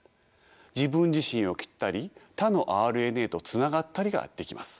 自分自身を切ったり他のＲＮＡとつながったりができます。